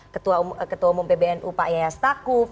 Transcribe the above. ketua umum pbnu pak yayastakuf